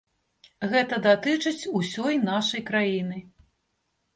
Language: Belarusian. Гэта датычыць усёй нашай краіны.